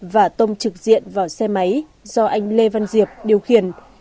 và tông trực diện vào xe máy do anh lê văn diệp điều khiển